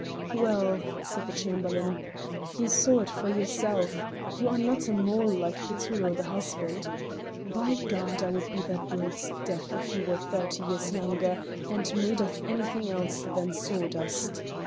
"Well," said the Chamberlain, "you saw it for yourself; you are not a mole like Petullo the husband. By God! I would be that brute's death if he were thirty years younger, and made of anything else than sawdust.